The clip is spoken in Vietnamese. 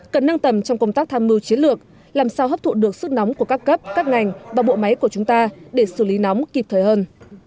cần nâng tầm trong công tác tham mưu chiến lược làm sao hấp thụ được sức nóng của các cấp các ngành và bộ máy của chúng ta để xử lý nóng kịp thời hơn